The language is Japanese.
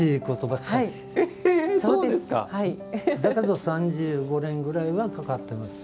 だけれども、３５年ぐらいはかかっています。